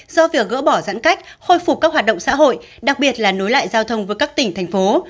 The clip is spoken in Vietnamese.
do việc gỡ bỏ giãn cách khôi phục các hoạt động xã hội đặc biệt là nối lại giao thông với các tỉnh thành phố